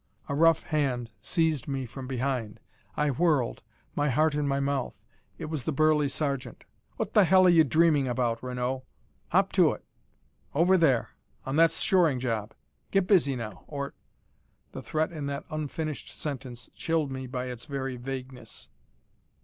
A rough hand seized me from behind. I whirled, my heart in my mouth. It was the burly sergeant. "What the hell are you dreaming about, Renaud? Hop to it. Over there, on that shoring job. Get busy now, or " The threat in that unfinished sentence chilled me by its very vagueness.